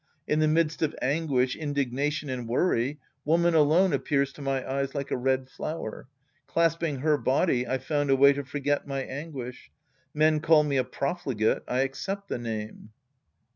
In the midst of anguish, indignation and worry, woman alone appears to my eyes like a red flower. Clasping her body, I've found a way to forget my anguish. Men call me a profligate. I accept the name.